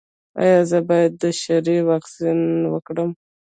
ایا زه باید د شري واکسین وکړم؟